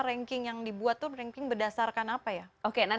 ranking berdasarkan apa ya